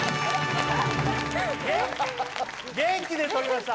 元気で取りました